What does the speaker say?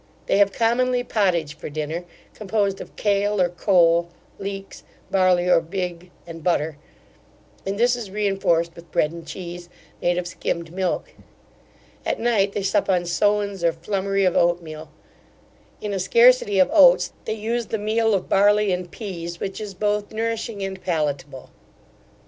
They have commonly pottage for dinner, composed of cale or cole, leeks, barley or big, and butter; and this is reinforced with bread and cheese, made of skimmed milk At night they sup on sowens or flummery of oat meal In a scarcity of oats, they use the meal of barley and pease, which is both nourishing and palatable.